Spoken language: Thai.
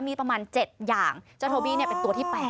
มีประมาณ๗อย่างเจ้าโทบี้เป็นตัวที่๘